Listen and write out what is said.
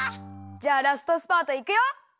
じゃあラストスパートいくよ！